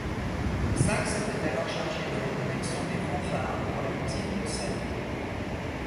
Sax était alors chargé de la direction des fanfares pour la musique de scène.